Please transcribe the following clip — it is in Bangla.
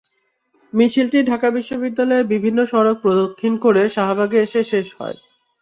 মিছিলটি ঢাকা বিশ্ববিদ্যালয়ের বিভিন্ন সড়ক প্রদক্ষিণ করে শাহবাগে এসে শেষ হয়।